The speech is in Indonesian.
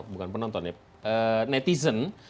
bukan penonton ya netizen